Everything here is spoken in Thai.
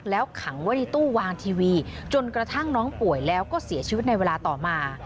แล้วขังไว้ในตู้วางทีวีจนกระทั่งน้องป่วยแล้วก็เสียชีวิตในเวลาต่อมา